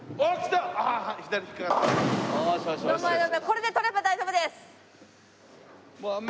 これで取れば大丈夫です！